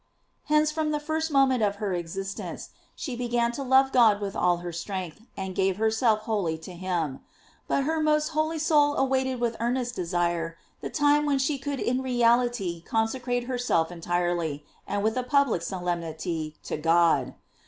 "* Hence, from the first moment of her existence, she began to love God with all her strength, and gave herself wholly to him. But her most holy soul awaited with earnest desire the time when she could in reality consecrate herself entirely, and with a public solemnity, to God.